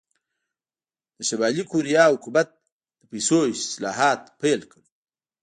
د شلي کوریا حکومت د پیسو اصلاحات پیل کړل.